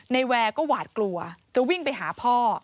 แวร์ก็หวาดกลัวจะวิ่งไปหาพ่อ